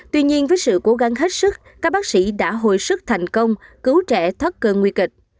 tuy nhiên với sự cố gắng hết sức các bác sĩ đã hồi sức thành công cứu trẻ thất cơn nguy kịch